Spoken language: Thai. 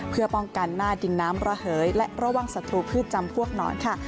เพื่อป้องกันหน้าดินน้ำระเหยและระวังศัตรูพืชจำพวกหนอนค่ะ